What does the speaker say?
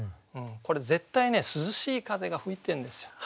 これ絶対ね涼しい風が吹いてるんですよ。